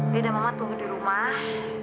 ya udah mama tunggu di rumah